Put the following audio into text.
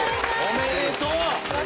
おめでとう！